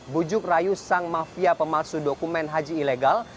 bujuk rayu sang mafia pemalsu dokumen haji ilegal